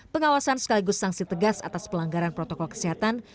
pengawasan sekaligus sanksi tegas atas pelanggaran protokol kesehatan